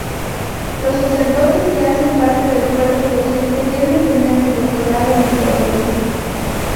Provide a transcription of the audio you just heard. Los sacerdotes que hacen parte del cuerpo docente deben tener el doctorado en teología.